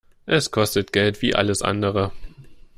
Es kostet Geld wie alles andere.